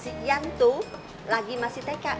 si iyan tuh lagi masih teka